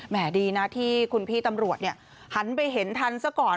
ดีนะที่คุณพี่ตำรวจหันไปเห็นทันซะก่อน